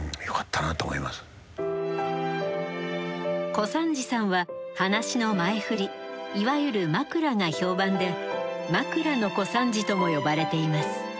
小三治さんは噺の前振りいわゆるまくらが評判でまくらの小三治とも呼ばれています。